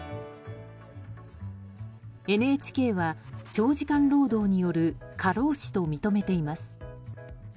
ＮＨＫは、長時間労働による過労死と認めています。